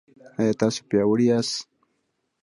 ایا تاسو پیاوړي یاست؟